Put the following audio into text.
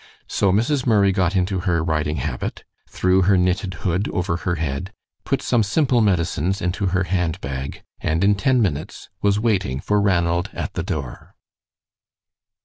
So Mrs. Murray got into her riding habit, threw her knitted hood over her head, put some simple medicines into her hand bag, and in ten minutes was waiting for Ranald at the door.